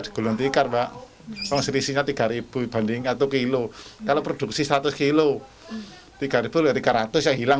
digelontikkan pak selisihnya tiga ribu banding atau kilo kalau produksi seratus kilo tiga ribu tiga ratus yang hilang